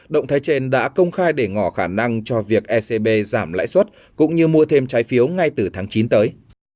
động thái trên đã công khai để ngỏ khả năng cho việc ecb giảm lãi suất cũng như mua thêm trái phiếu ngay từ tháng chín tới